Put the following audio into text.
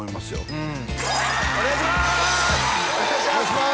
うんお願いします